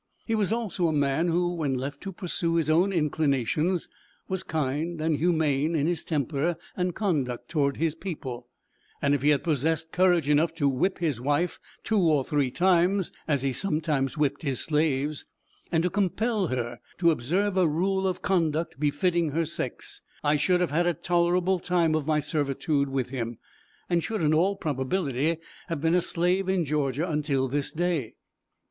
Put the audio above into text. He was also a man who, when left to pursue his own inclinations, was kind and humane in his temper and conduct towards his people; and if he had possessed courage enough to whip his wife two or three times, as he sometimes whipped his slaves, and to compel her to observe a rule of conduct befitting her sex, I should have had a tolerable time of my servitude with him; and should, in all probability, have been a slave in Georgia until this day.